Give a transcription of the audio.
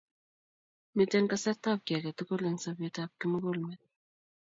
Miten kasartab kiaketugul en sabet ab kimukul met